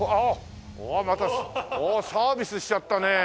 おおまたサービスしちゃったね。